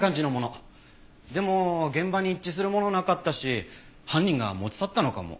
でも現場に一致するものなかったし犯人が持ち去ったのかも。